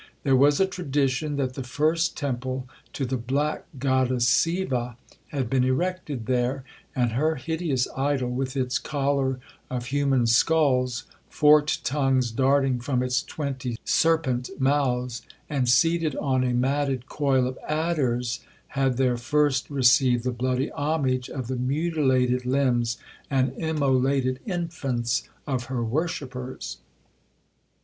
There was a tradition that the first temple to the black goddess Seeva,1 had been erected there; and her hideous idol, with its collar of human sculls, forked tongues darting from its twenty serpent mouths, and seated on a matted coil of adders, had there first received the bloody homage of the mutilated limbs and immolated infants of her worshippers. 1 Vide Maurice's Indian Antiquities.